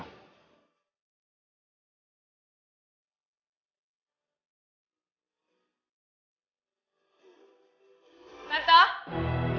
aku mau ke rumah kamu